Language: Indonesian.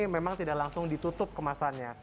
memang tidak langsung ditutup kemasannya